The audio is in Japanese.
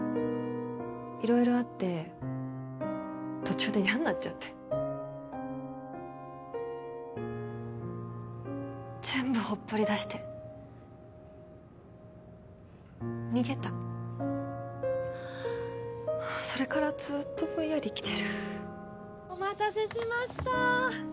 色々あって途中で嫌んなっちゃって全部ほっぽりだして逃げたそれからずーっとぼんやり生きてるお待たせしましたー